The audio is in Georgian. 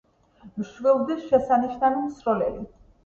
მშვილდის შესანიშნავი მსროლელი.